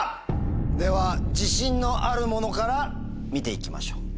では自信のあるものから見ていきましょう。